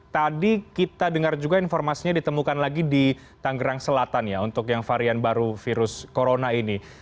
tadi kita dengar juga informasinya ditemukan lagi di tanggerang selatan ya untuk yang varian baru virus corona ini